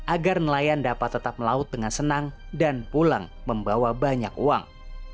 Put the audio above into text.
agar nelayan dapat tetap melaut dengan senang dan pulang membawa banyak uang